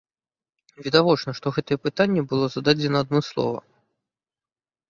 Відавочна, што гэтае пытанне было зададзена адмыслова.